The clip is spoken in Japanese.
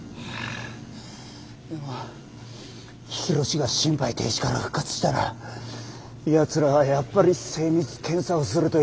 だが緋炉詩が心肺停止から復活したらやつらはやっぱり精密検査をすると言いだすに決まってる。